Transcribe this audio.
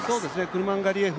クルマンガリエフ